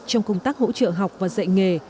trong công tác hỗ trợ học và dạy nghề